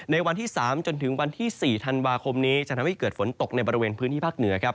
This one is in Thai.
วันที่๓จนถึงวันที่๔ธันวาคมนี้จะทำให้เกิดฝนตกในบริเวณพื้นที่ภาคเหนือครับ